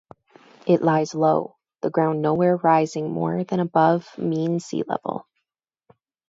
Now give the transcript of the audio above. It lies low, the ground nowhere rising more than above mean sea level.